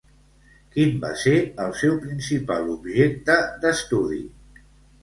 Quin va ser el seu principal objecte d'estudi?